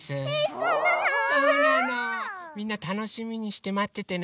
みんなたのしみにしてまっててね。